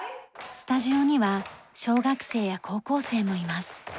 スタジオには小学生や高校生もいます。